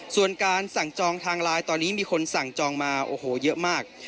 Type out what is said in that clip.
ส่วนการสั่งจองทางลายส่วนนี้มีคนสั่งมาโน่ไหร่มาก